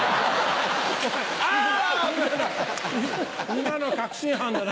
今の確信犯だな